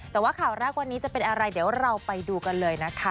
แต่ว่าข่าวแรกวันนี้จะเป็นอะไรเดี๋ยวเราไปดูกันเลยนะคะ